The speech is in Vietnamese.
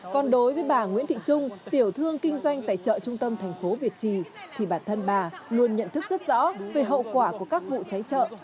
còn đối với bà nguyễn thị trung tiểu thương kinh doanh tại chợ trung tâm thành phố việt trì thì bản thân bà luôn nhận thức rất rõ về hậu quả của các vụ cháy chợ